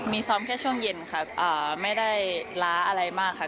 มีซ้อมแค่ช่วงเย็นค่ะไม่ได้ล้าอะไรมากค่ะ